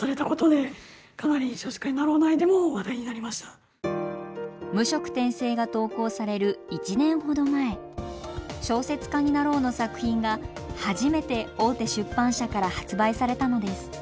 更に「無職転生」が投稿される１年ほど前「小説家になろう」の作品が初めて大手出版社から発売されたのです。